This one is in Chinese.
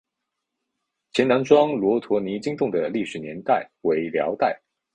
前南庄陀罗尼经幢的历史年代为辽代。